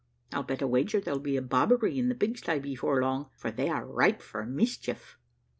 I'll bet a wager, there'll be a bobbery in the pig sty before long, for they are ripe for mischief.